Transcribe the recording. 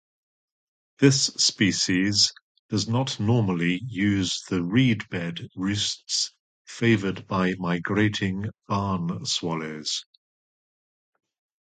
This species does not normally use the reed-bed roosts favoured by migrating barn swallows.